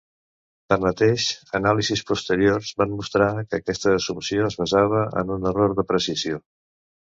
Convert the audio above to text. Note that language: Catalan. Tanmateix, anàlisis posteriors van mostrar que aquesta assumpció es basava en un error d'apreciació.